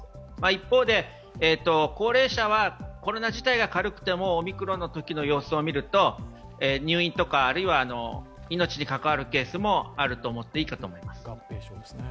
一方で、高齢者はコロナ自体が軽くてもオミクロンのときの様相をみると命に関わるケースもあると見ていいと思います。